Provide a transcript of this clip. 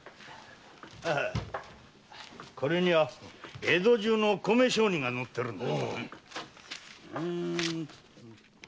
これには江戸中の米商人が載っているんだ。